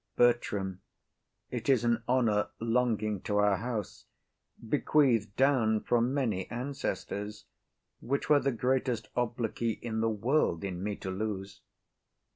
BERTRAM. It is an honour 'longing to our house, Bequeathed down from many ancestors, Which were the greatest obloquy i' the world In me to lose.